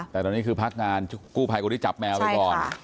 แต่ตอนนี้คือพักงานกู้ภัยคนที่จับแมวไปก่อน